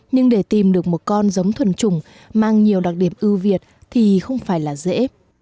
nhưng để tìm được một con giống thuần trùng mang nhiều đặc điểm ưu việt thì không phải là dễ